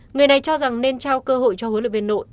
người này cho rằng nên trao cơ hội cho huấn luyện viên nội